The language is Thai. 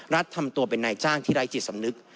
ทำตัวเป็นนายจ้างที่ไร้จิตสำนึก